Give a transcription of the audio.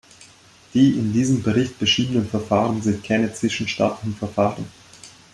Die in diesem Bericht beschriebenen Verfahren sind keine zwischenstaatlichen Verfahren.